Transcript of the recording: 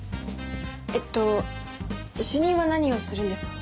えっと主任は何をするんですか？